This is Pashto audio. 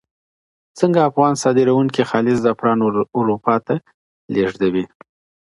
څنګه افغان صادروونکي خالص زعفران اروپا ته لیږدوي؟